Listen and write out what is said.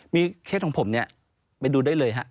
มีเคสของผมเนี่ยไปดูได้เลยฮะ